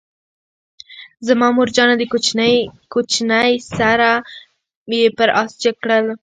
زما مورجانه دکوچنی سره یې پر آس جګ کړل،